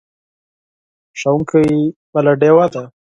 ښوونکی بله ډیوه ده.